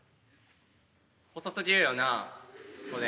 細すぎるよなこれ。